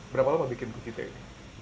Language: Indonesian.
berapa lama bikin kunci t ini